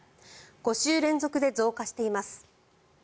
５週連続で増加しています。